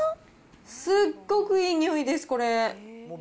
すっごくいい匂いです、これ。